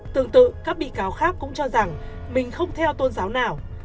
tương tự các bị cáo khác cũng cho rằng mình không theo tôn giáo nào